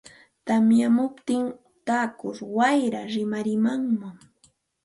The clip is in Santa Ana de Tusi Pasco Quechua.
tamyamuptin tutur wayraa rikarimun.